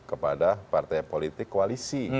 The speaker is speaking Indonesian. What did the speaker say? kepada partai politik koalisi